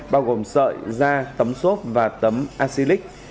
bao gồm sợi da tấm xốp và tấm acylic